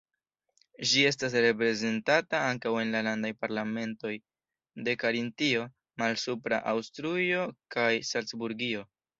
Ĝi estas reprezentata ankaŭ en la landaj parlamentoj de Karintio, Malsupra Aŭstrujo kaj Salcburgio.